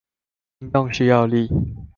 運動需要力